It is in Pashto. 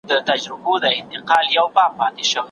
د هغه چيغه چا و نه اورېده.